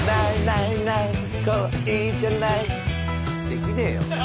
できねえよ。